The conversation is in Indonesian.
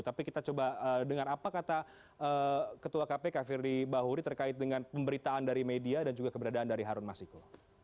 tapi kita coba dengar apa kata ketua kpk firdy bahuri terkait dengan pemberitaan dari media dan juga keberadaan dari harun masiku